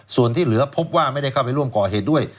ส่วนที่เหลือพบว่าไม่ได้เข้าไปร่วมก่อเหตุด้วย